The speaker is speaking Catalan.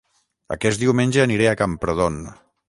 Aquest diumenge aniré a Camprodon